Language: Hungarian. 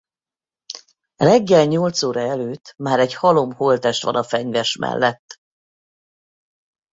Reggel nyolc óra előtt már egy halom holttest van a fenyves mellett.